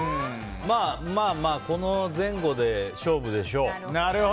まあ、この前後で勝負でしょう。